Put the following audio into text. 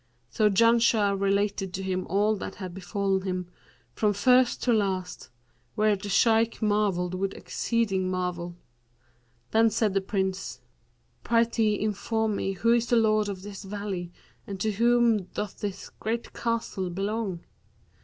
So Janshah related to him all that had befallen him, from first to last, whereat the Shaykh marvelled with exceeding marvel. Then said the Prince, 'Prithee inform me who is the lord of this valley and to whom doth this great castle belong?'